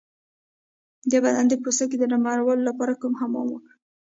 د بدن د پوستکي د نرمولو لپاره کوم حمام وکړم؟